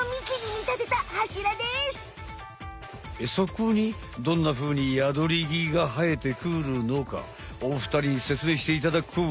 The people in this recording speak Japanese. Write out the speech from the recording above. そこにどんなふうにヤドリギがはえてくるのかおふたりにせつめいしていただこう。